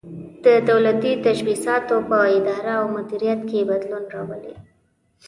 د دولتي تشبثاتو په اداره او مدیریت کې بدلون راولي.